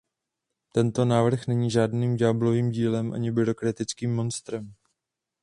Tento návrh není žádným ďáblovým dílem ani byrokratickým monstrem.